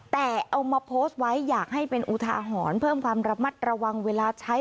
แต่เอามาโพสต์ไว้อยากให้เป็นอุทาหรณ์เพิ่มความระมัดระวังเวลาใช้